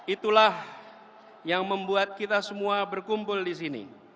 itulah yang membuat kita semua berkumpul disini